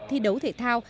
thi đấu thể thao